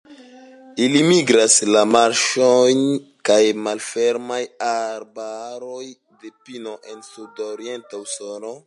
Ili migras al marĉoj kaj malfermaj arbaroj de pino en sudorienta Usono.